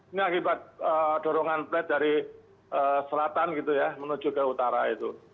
ini akibat dorongan plat dari selatan gitu ya menuju ke utara itu